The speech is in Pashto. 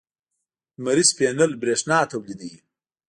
لمریز پینل برېښنا تولیدوي.